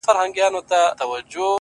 لوبي وې،